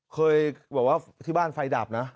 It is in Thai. เคยที่บ้านไฟดับนะ